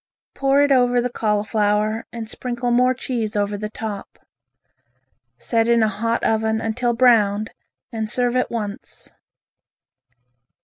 Pour it over the cauliflower and sprinkle more cheese over the top. Set in a hot oven until browned and serve at once.